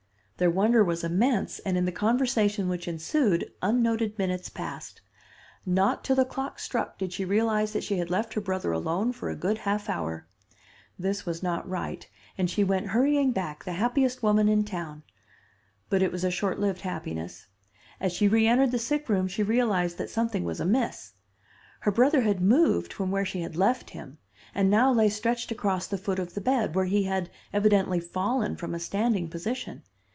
Their wonder was immense and in the conversation which ensued unnoted minutes passed. Not till the clock struck did she realize that she had left her brother alone for a good half hour: This was not right and she went hurrying back, the happiest woman in town. But it was a short lived happiness. As she reentered the sick room she realized that something was amiss. Her brother had moved from where she had left him, and now lay stretched across the foot of the bed, where he had evidently fallen from a standing position.